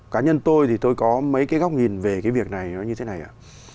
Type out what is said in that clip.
cá nhân tôi thì tôi có mấy cái góc nhìn về cái việc này nó như thế này ạ